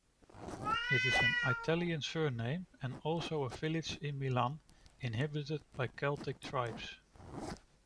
Is an Italian surname and also a village in Milan inhabited by Celtic tribes.